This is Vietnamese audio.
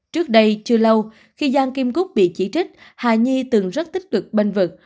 trước đây chưa lâu khi giang kim cúc bị chỉ trích hà nhi từng rất tích cực bênh vực